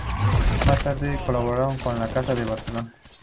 Más tarde colaboraron con la casa de Barcelona.